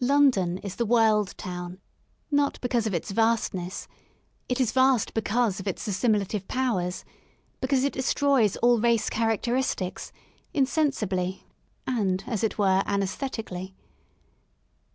London is the world town, not because of its vast ness; it is vast because of its assimilative powers, because it destroys all race characteristics, insensibly and, as it were, anaesthetically.